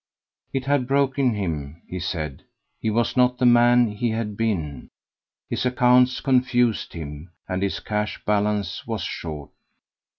It had broken him, he said; he was not the man he had been. His accounts confused him, and his cash balance was short.